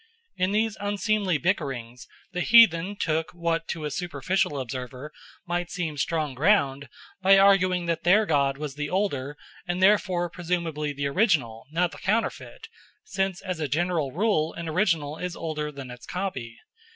In these unseemly bickerings the heathen took what to a superficial observer might seem strong ground by arguing that their god was the older and therefore presumably the original, not the counterfeit, since as a general rule an original is older than its copy.